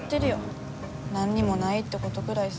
何にもないってことぐらいさ。